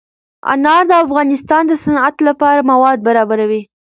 انار د افغانستان د صنعت لپاره مواد برابروي.